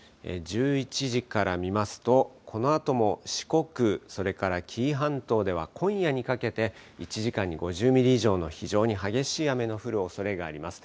１１時から見ますとこのあとも四国、それから紀伊半島では今夜にかけて１時間に５０ミリ以上の非常に激しい雨の降るおそれがあります。